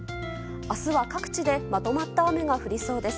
明日は各地でまとまった雨が降りそうです。